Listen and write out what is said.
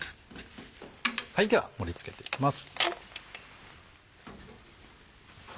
では盛り付けていきます。